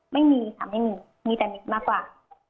ไม่มีค่ะไม่มีมีแต่นิดมากกว่า